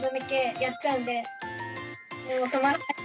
もう止まらなく。